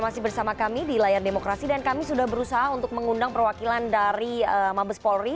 masih bersama kami di layar demokrasi dan kami sudah berusaha untuk mengundang perwakilan dari mabes polri